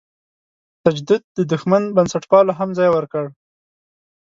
تجدد دښمنو بنسټپالو هم ځای ورکړ.